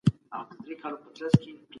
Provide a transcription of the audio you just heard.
هنر زده کړئ.